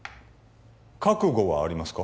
覚悟はありますか？